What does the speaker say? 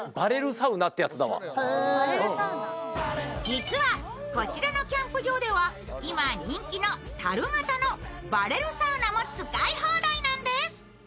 実は、こちらのキャンプ場では今人気のたる型のバレルサウナも使い放題なんです。